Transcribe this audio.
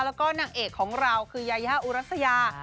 แล้วก็นางเอกของเราคือยายาอุรัสยา